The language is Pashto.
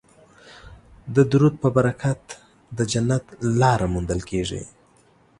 د درود په برکت د جنت لاره موندل کیږي